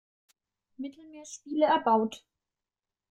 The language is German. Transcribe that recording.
Mittelmeerspiele erbaut.